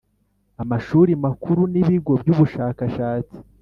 Amashuri makuru n ibigo by’ ubushakashatsi